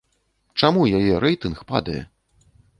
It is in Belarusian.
Чаму яе рэйтынг падае?